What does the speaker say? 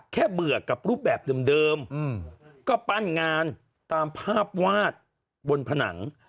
เบื่อกับรูปแบบเดิมก็ปั้นงานตามภาพวาดบนผนัง